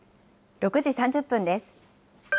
６時３０分です。